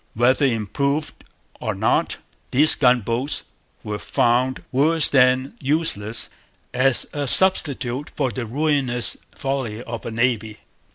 Whether 'improved' or not, these gunboats were found worse than useless as a substitute for 'the ruinous folly of a navy.'